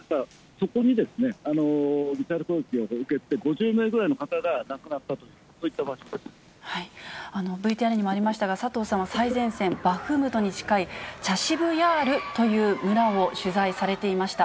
そこにミサイル攻撃を受けて、５０名ぐらいの方が亡くなったと、ＶＴＲにもありましたが、佐藤さんは最前線、バフムトに近い、チャシブヤールという村を取材されていました。